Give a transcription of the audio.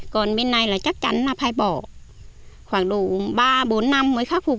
còn bên này là chắc chắn là phải bỏ khoảng độ ba bốn năm mới khắc phục